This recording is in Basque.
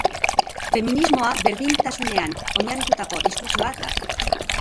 Feminismoa berdintasunean oinarritutako diskurtsoa da.